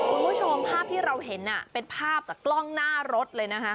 คุณผู้ชมภาพที่เราเห็นเป็นภาพจากกล้องหน้ารถเลยนะคะ